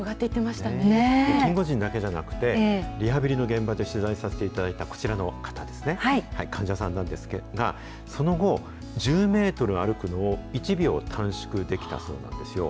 キンゴジンだけじゃなくて、リハビリの現場で取材させていただいたこちらの方、患者さんなんですが、その後、１０メートル歩くのを１秒短縮できたそうなんですよ。